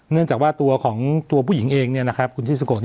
เนื่องจากว่าตัวผู้หญิงเองคุณที่สุข